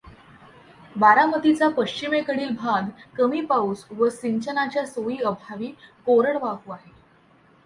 बारामतीचा पश्चिमेकडील भाग कमी पाऊस व सिंचनाच्या सोयीअभावी कोरडवाहू आहे.